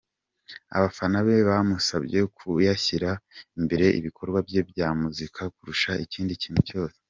Abafana be bamusabye ko yashyira imbere ibikorwa bye bya muzika kurusha ikindi kintu cyose.